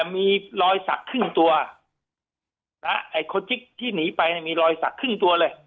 มีรอยสักครึ่งตัวไอ้โคจิ๊กที่หนีไปมีรอยสักครึ่งตัวเลย